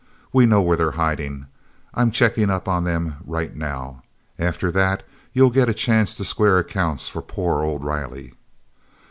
We know where they're hiding. I'm checking up on them right now. After that you'll all get a chance to square accounts for poor old Riley!"